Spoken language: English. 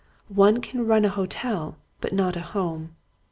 One can run a hotel but not a home.